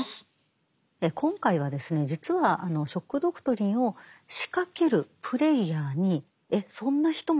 今回は実は「ショック・ドクトリン」を仕掛けるプレイヤーにえっそんな人も？